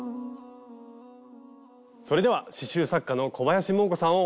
それでは刺しゅう作家の小林モー子さんをお呼びしましょう。